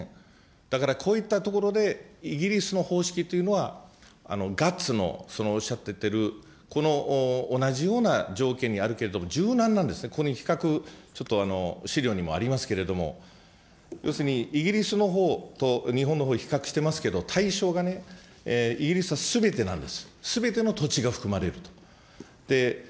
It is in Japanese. だからこういったところで、イギリスの方式というのはガッツのそのおっしゃってる、この同じような条件にあるけれども、柔軟なんですね、ここに比較、資料にもありますけれども、要するに、イギリスのほうと日本のほうを比較してますけど、対象がね、イギリスはすべてなんです。